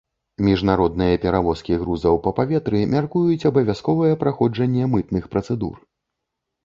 Міжнародныя перавозкі грузаў па паветры мяркуюць абавязковае праходжанне мытных працэдур.